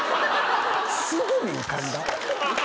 すぐに浮かんだ？